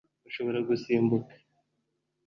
ushobora gusimbuka